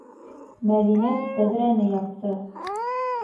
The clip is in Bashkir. - Мәҙинә тәҙрәне япты.